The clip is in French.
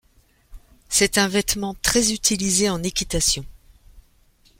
C'est un vêtement très utilisé en équitation.